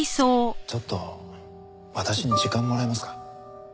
ちょっと私に時間もらえますか？